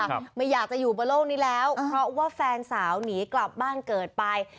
ไม่อยากจะอยู่บนโลกนี้แล้วเพราะว่าแฟนสาวหนีกลับบ้านเกิดไป